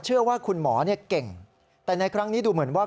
เชื่อว่าคุณหมอเก่งแต่ในครั้งนี้ดูเหมือนว่า